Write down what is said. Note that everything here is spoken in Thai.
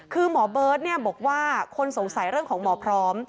คือหมอเบิร์ตบอกว่าคนสงสัยเรื่องของหมอพร้อม